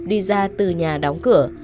đi ra từ nhà đóng cửa